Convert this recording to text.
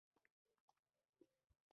دا دوستي ټینګه وساتي.